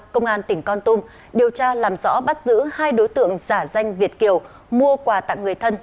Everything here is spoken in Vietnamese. công an tỉnh con tum điều tra làm rõ bắt giữ hai đối tượng giả danh việt kiều mua quà tặng người thân